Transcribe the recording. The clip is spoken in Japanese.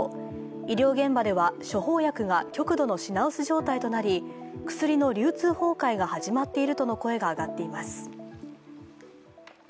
医療現場では処方薬が極度の品薄状態となり薬の流通崩壊が始まっているとの声が上がっています。